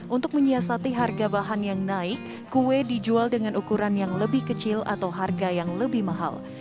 untuk menyiasati harga bahan yang naik kue dijual dengan ukuran yang lebih kecil atau harga yang lebih mahal